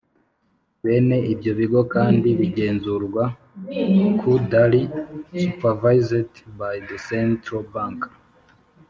bene ibyo bigo kandi bigenzurwa ku duly supervised by the Central Bank